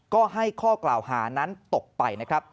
ก็ให้ข้อกล่าวหานั้นตกไปนะครับ